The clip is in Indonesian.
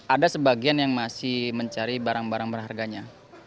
ada sebagian yang masih mencari barang barang berharganya